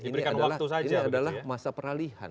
ini adalah masa peralihan